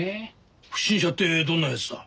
不審者ってどんなやつだ？